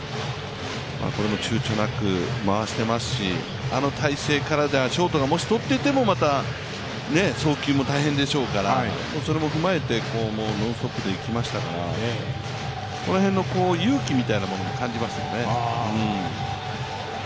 これもちゅうちょなく回していますし、あの体勢からではショートがもし取っていてもまた送球も大変でしょうから、それも踏まえてノンストップでいきましたからこの辺の勇気みたいなものも感じますよね。